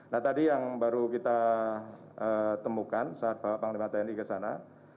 nah tadi yang baru kita temukan saat bapak panglima tni ke sana